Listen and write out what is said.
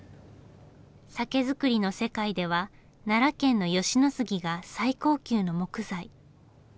酒造りの世界では奈良県の吉野杉が最高級の木材。